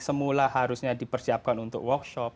semula harusnya dipersiapkan untuk workshop